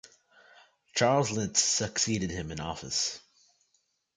Charles Lynch succeeded him in office.